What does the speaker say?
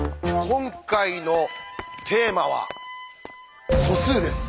今回のテーマは「素数」です。